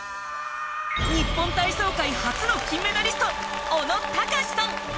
日本体操界初の金メダリスト小野喬さん。